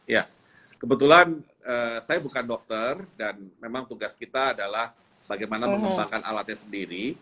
ya kebetulan saya bukan dokter dan memang tugas kita adalah bagaimana mengembangkan alatnya sendiri